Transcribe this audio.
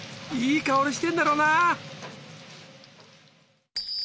いい香りしてんだろうな。